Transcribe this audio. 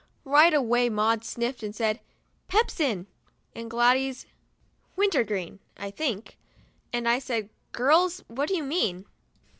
Right away Maud sniffed and said " Pepsin !* and Gladys " Wintergreen, I think," and I said, "Girls, what do you mean?"